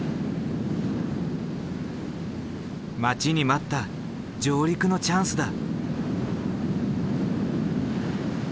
待ちに待った上陸のチャンスだ。